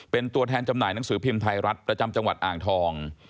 เป็นตัวแทนจำหน่ายหนังสือพิมพ์ไทยรัฐประจำจังหวัดอ่างทอง